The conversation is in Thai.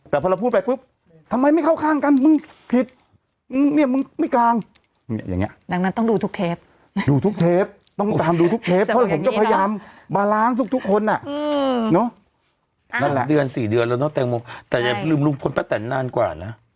แต่เวลาอยู่ข้างล่างเนี่ยน้องน้องเนี่ยเขานั่งอยู่ข้างในกัน